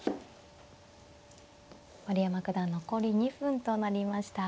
丸山九段残り２分となりました。